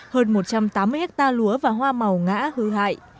hơn một trăm tám mươi hectare lúa và hoa màu ngã hư hại